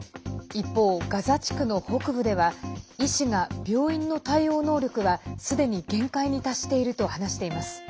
一方、ガザ地区の北部では医師が病院の対応能力はすでに限界に達していると話しています。